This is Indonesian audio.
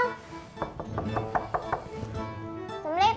mau kemana sih lo